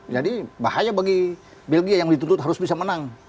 jadi bahaya bagi belgia yang ditutup harus bisa menang